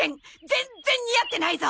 全然似合ってないぞ！